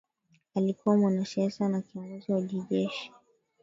Alikuwa mwanasiasa na kiongozi wa kijeshi